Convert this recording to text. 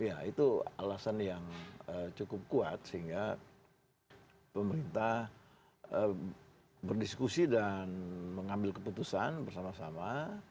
ya itu alasan yang cukup kuat sehingga pemerintah berdiskusi dan mengambil keputusan bersama sama